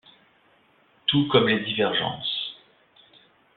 Tout comme les divergences.